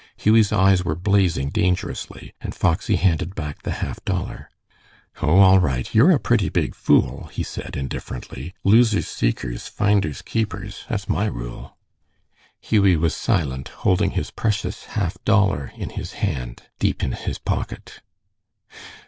Hughie's eyes were blazing dangerously, and Foxy handed back the half dollar. "O, all right. You're a pretty big fool," he said, indifferently. "'Losers seekers, finders keepers.' That's my rule." Hughie was silent, holding his precious half dollar in his hand, deep in his pocket.